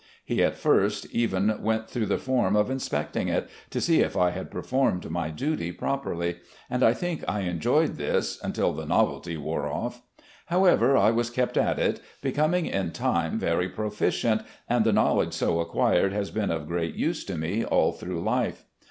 He at first even went through the form of inspecting it, to see if I had performed my duty properly, and I think I enjoyed this until the novelty wore off. However, I was kept at it, becoming in time very proficient, and the knowledge so acquired has been of great use to me all through life.